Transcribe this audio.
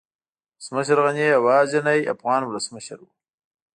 ولسمشر غني يوازينی افغان ولسمشر و